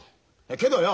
けどよ